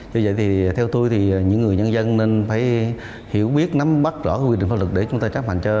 do vậy thì theo tôi thì những người nhân dân nên phải hiểu biết nắm bắt rõ quy định pháp luật để chúng ta tráp hành cho